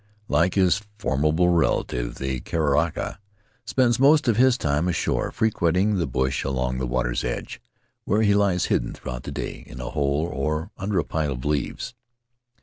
Like his formidable relative, the kakara spends most of his time ashore, frequenting the bush along the water's edge, where he lies hidden throughout the day in a hole or under a pile of leaves.